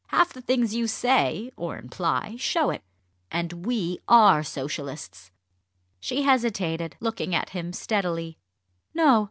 Half the things you say, or imply, show it. And we are Socialists." She hesitated, looking at him steadily. "No!